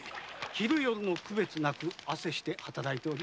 昼夜の別なく汗して働いております。